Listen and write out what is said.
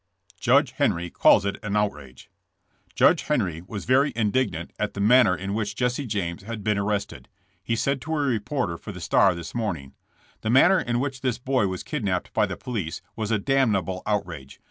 JUDGE HENRY CALLS IT AN OUTRAGE. Judge Henry was very indignant at the man ner in which Jesse James had been arrested. He said to a reporter for The Star this morning: 'The manner in which this boy was kidnapped by the police was a damnable outrage.